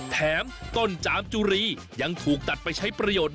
แถมต้นจามจุรียังถูกตัดไปใช้ประโยชน์